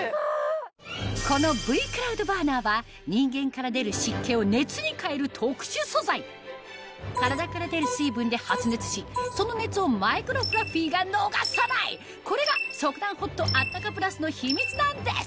このＶ−ｃｌｏｕｄｂｕｒｎｅｒは人間から出る湿気を熱に変える特殊素材体から出る水分で発熱しその熱をマイクロフラッフィーが逃さないこれが速暖Ｈｏｔあったかプラスの秘密なんです